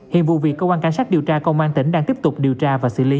hiện vụ việc cơ quan cảnh sát điều tra công an tỉnh đang tiếp tục điều tra và xử lý